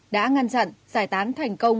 đã ngăn chặn giải tán thành công